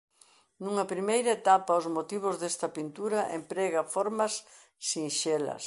Nunha primeira etapa os motivos desta pintura emprega formas sinxelas.